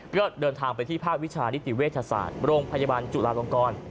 ก็เดินทางไปที่ภาควิชานิติเวชศาสตร์โรงพยาบาลจุลาลงกร